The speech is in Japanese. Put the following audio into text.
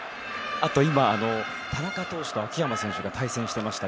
今、田中投手と秋山選手が対戦していました。